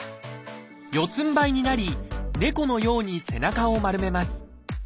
四つんばいになり猫のように背中を丸めます。